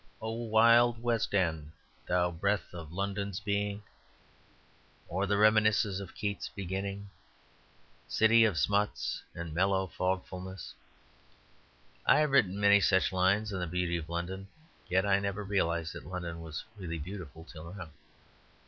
"'O Wild West End, thou breath of London's being,' "or the reminiscence of Keats, beginning "'City of smuts and mellow fogfulness.'; "I have written many such lines on the beauty of London; yet I never realized that London was really beautiful till now.